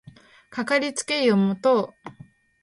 かかりつけ医を持とう